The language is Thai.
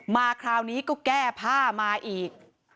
มาคราวนี้ก็แก้ผ้ามาอีก